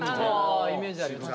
あイメージあります。